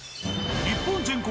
日本全国